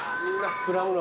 膨らむの。